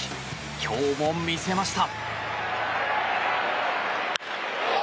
今日も見せました。